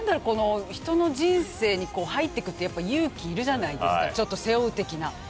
この人の人生に入ってくってやっぱ勇気いるじゃないですかちょっと背負う的な。